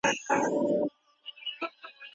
ایا د ډېري یخنې په وخت کي د ګرمو اوبو چښل ګټور دي؟